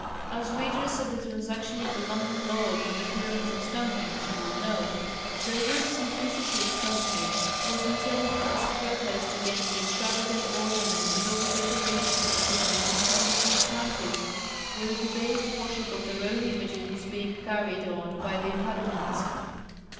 As readers of the Transaction of the London Lodge on the "Pyramids and Stonehenge," will know, the rude simplicity of Stonehenge was intended as a protest against the extravagant ornament and over decoration of the existing temples in Atlantis, where the debased worship of their own images was being carried on by the inhabitants.